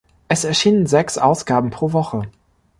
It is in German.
Es erschienen sechs Ausgaben pro Woche.